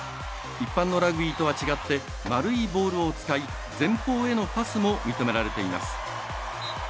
一般のラグビーとは違って丸いボールを使い前方へのパスも認められています。